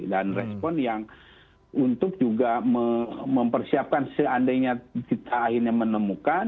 dan respon yang untuk juga mempersiapkan seandainya kita akhirnya menemukan